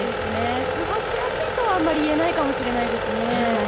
過ごしやすいとはあまり言えないかもしれないですね。